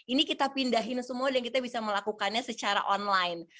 ini kita pindahin semua dan kita bisa melakukannya secara online